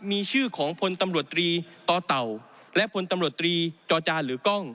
มีชื่อของพลตำรวจตรีต่อเต่าและพลตำรวจตรีจอจานหรือกล้อง